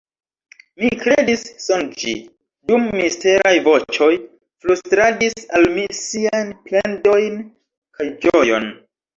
Mi kredis sonĝi, dum misteraj voĉoj flustradis al mi siajn plendojn kaj ĝojon.